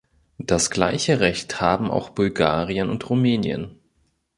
Das gleiche Recht haben auch Bulgarien und Rumänien.